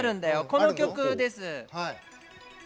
この曲です。